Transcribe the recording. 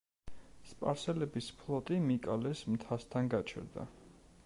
სპარსელების ფლოტი მიკალეს მთასთან გაჩერდა.